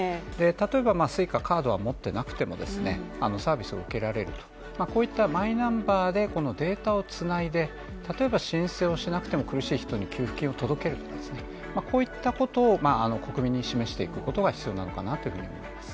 例えばＳｕｉｃａカードは持っていなくても、サービスを受けられると、こういったマイナンバーでデータをつないで例えば申請をしなくても、苦しい人に給付金を届けるといったようなことを国民に示していくことが必要なのかなっていうふうに思います。